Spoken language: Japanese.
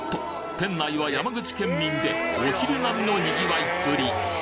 店内は山口県民でお昼並みの賑わいっぷり！